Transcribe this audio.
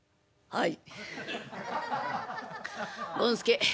はい。